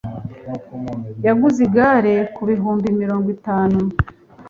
Yaguze igare ku bihumbi mirongo itanu.